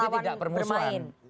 tetapi tidak permusuhan